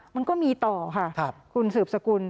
มันก็มีต่อค่ะคุณสืบสกุล